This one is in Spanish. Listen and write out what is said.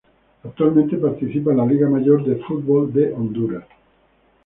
Actualmente participa en la Liga Mayor de Fútbol de Honduras.